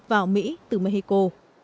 vào mỹ từ mexico